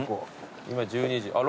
今１２時。